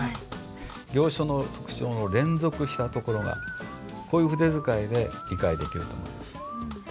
行書の特徴の連続したところがこういう筆使いで理解できると思います。